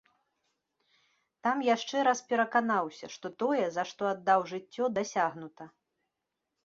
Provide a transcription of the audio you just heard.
Там яшчэ раз пераканаўся, што тое, за што аддаў жыццё, дасягнута.